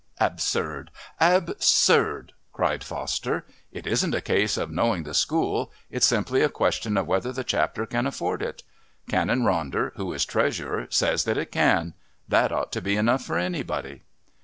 "Absurd. Absurd," cried Foster. "It isn't a case of knowing the School. It's simply a question of whether the Chapter can afford it. Canon Ronder, who is Treasurer, says that it can. That ought to be enough for anybody."